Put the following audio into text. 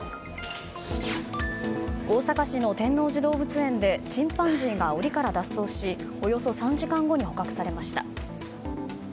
大阪市の天王寺動物園でチンパンジーが檻から脱走しおよそ３時間後に捕獲されました。